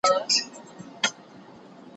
يادونه وکړه